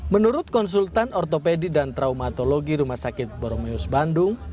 menurut konsultan ortopedi dan traumatologi rumah sakit boromeus bandung